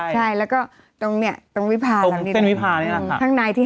ใช่แล้วก็ตรงเนี่ยตรงวิภาหลังนี้